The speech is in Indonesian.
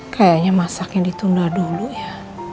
kayaknya masaknya ditunda dulu ya